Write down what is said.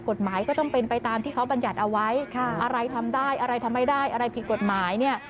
กฎหมายก็ต้องเป็นไปตามที่เขาบรรยัติเอาไว้อะไรทำได้อะไรทำไม่ได้อะไรผิดกฎหมายเนี่ย